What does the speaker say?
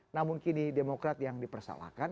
namun kini demokrat yang dipersalahkan